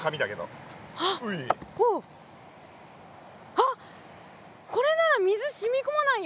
あっこれなら水染み込まないよ。